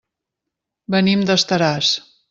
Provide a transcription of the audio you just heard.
Venim d'Estaràs.